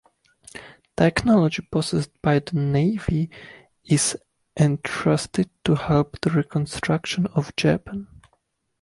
Technology possessed by the Navy Is entrusted to help the reconstruction of Japan.